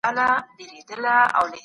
پوهانو بېلابېل نظرونه وړاندي کړل.